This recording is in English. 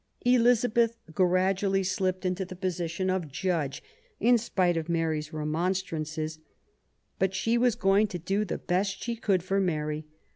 Elizabeth gradually slipped into the ELIZABETH AND MARY STUART. 105 position of judge, in spite of Mary's remonstrances ; but she was going to do the best she could for Mary.